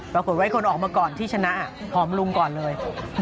ปรากฏว่าคนออกมาก่อนที่ชนะหอมลุงก่อนเลย